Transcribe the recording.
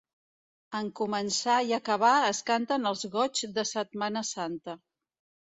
En començar i acabar es canten els Goigs de Setmana santa.